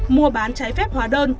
mua bán trái phép hỏa đơn